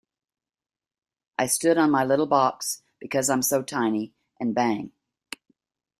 I stood on my little box - because I'm so tiny - and bang!